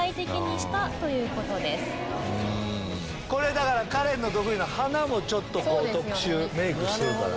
だからカレンの得意な鼻もちょっと特殊メークしてるから。